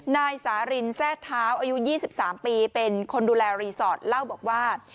นายสารินแทร่เท้าอายุ๒๓ปีเป็นคนดูแลรีสอร์ทเล่าบอกว่า